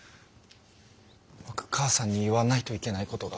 僕母さんに言わないといけないことが。